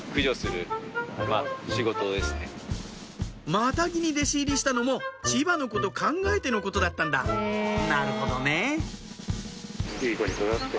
またぎに弟子入りしたのも千葉のこと考えてのことだったんだなるほどねぇいい子に育って。